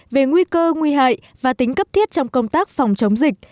về nguy cơ nguy hại và tính cấp thiết trong công tác phòng chống dịch